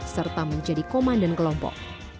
serta menjadi komandan kelompok